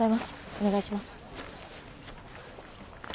お願いします。